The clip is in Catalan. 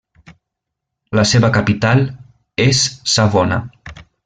La seva capital és Savona.